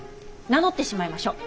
名乗ってしまいましょう。